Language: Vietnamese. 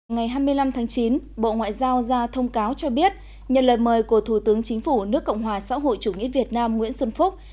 ngày hai mươi năm tháng chín bộ ngoại giao ra thông cáo cho biết nhận lời mời của thủ tướng chính phủ nước cộng hòa xã hội chủ nghĩa việt nam nguyễn xuân phúc